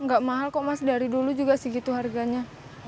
nggak mahal kok mas dari dulu juga segitu harganya